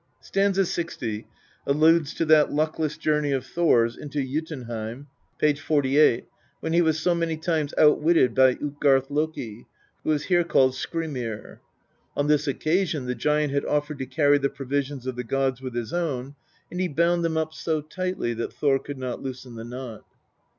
St. 60 alludes to that luckless journey of Thor's into, Jotunheim (p. xlviii.), when he was so many times outwitted by Utgarth loki, who is here called Skrymir. On this occasion the giant had offered to carry the provisions of the gods with his own, and he bound them up so lightly that Thor could not loosen the knot.